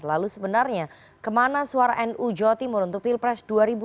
lalu sebenarnya kemana suara nu jawa timur untuk pilpres dua ribu dua puluh